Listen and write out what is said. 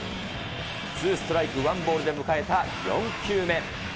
ツーストライクワンボールで迎えた４球目。